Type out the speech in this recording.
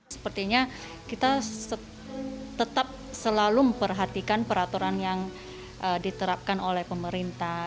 sepertinya kita tetap selalu memperhatikan peraturan yang diterapkan oleh pemerintah